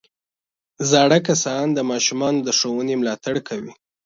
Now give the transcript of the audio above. زاړه کسان د ماشومانو د ښوونې ملاتړ کوي